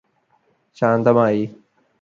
ശാന്തമായി